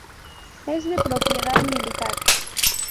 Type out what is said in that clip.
Es de propiedad militar.